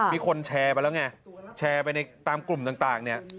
มีคนแชร์ไปแล้วไงแชร์ไปในตามกลุ่มต่างเนี่ย